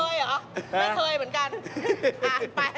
ไม่เคยเหมือนกัน